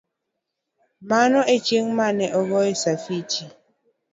Mano e chieng' mane ogoye Sifichi.